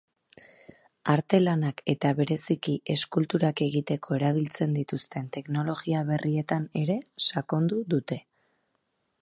Arte lanak eta bereziki eskulturak egiteko erabiltzen dituzten teknologia berrietan ere sakonduko dute.